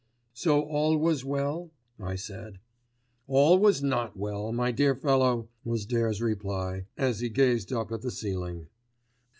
"So all was well," I said. "All was not well, my dear fellow," was Dare's reply, as he gazed up at the ceiling.